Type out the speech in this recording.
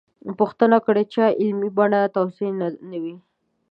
پوښتنه کړې چا علمي بڼه توضیح نه وي.